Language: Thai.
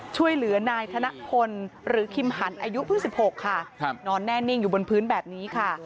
ช่วยเหลือนายธนพลหรือคิมหันอายุเพิ่ง๑๖ค่ะนอนแน่นิ่งอยู่บนพื้นแบบนี้ค่ะ